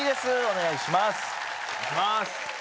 お願いします